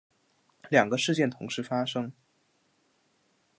两个事件同时发生